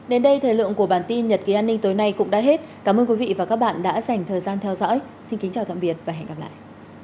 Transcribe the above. đến đây thời lượng của bản tin nhật ký an ninh tối nay cũng đã hết cảm ơn quý vị và các bạn đã dành thời gian theo dõi xin kính chào tạm biệt và hẹn gặp lại